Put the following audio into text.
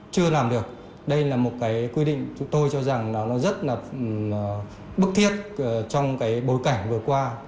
chưa làm được đây là một quy định chúng tôi cho rằng rất bức thiết trong bối cảnh vừa qua